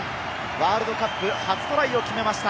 ワールドカップ初トライを決めました。